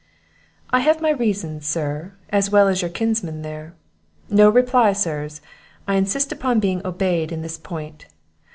"I have my reasons, sir, as well as your kinsmen there. No reply, Sirs! I insist upon being obeyed in this point.